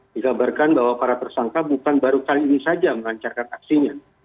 dikabarkan bahwa para tersangka bukan baru kali ini saja melancarkan aksinya